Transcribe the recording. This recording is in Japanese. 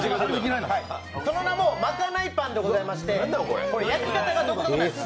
その名もまかないパンでございまして、焼き方が独特なんです。